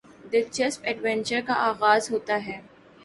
دلچسپ ایڈونچر کا آغاز ہوتا ہے